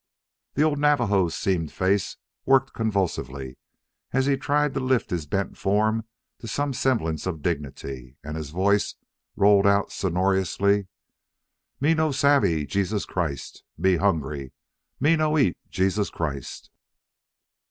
The old Navajo's seamed face worked convulsively as he tried to lift his bent form to some semblance of dignity, and his voice rolled out, sonorously: "Me no savvy Jesus Christ! Me hungry! ... Me no eat Jesus Christ!"